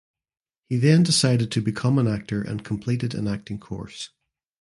He then decided to become an actor and completed an acting course.